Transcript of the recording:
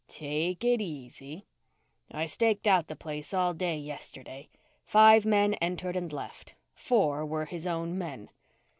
"Take it easy. I staked out the place all day yesterday. Five men entered and left. Four were his own men."